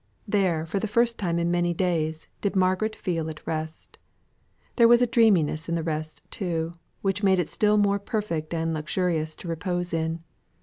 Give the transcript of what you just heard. There, for the first time for many days, did Margaret feel at rest. There was a dreaminess in the rest, too, which made it still more perfect and luxurious to repose in.